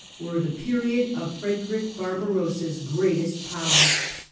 C, l<\oC( were the period of Frederick Barbarossa's greatest power.